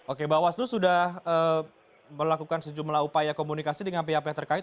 oke bawaslu sudah melakukan sejumlah upaya komunikasi dengan pihak pihak terkait